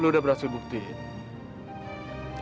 lu udah berhasil buktiin